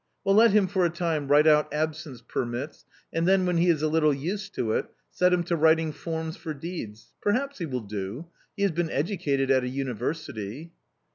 Well let him for a time write out absence permits, and then when he is a little used to it, set him to writing forms for deeds ; perhaps he will do ; he has been educated at a university."